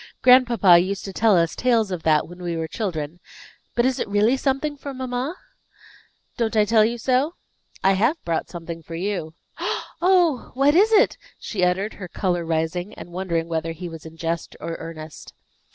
"Grandpapa used to tell us tales of that, when we were children. But is it really something for mamma?" "Don't I tell you so? I have brought something for you." "Oh! What is it?" she uttered, her color rising, and wondering whether he was in jest or earnest.